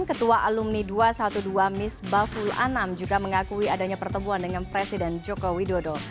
ketua alumni dua ratus dua belas miss baful anam juga mengakui adanya pertemuan dengan presiden jokowi dodo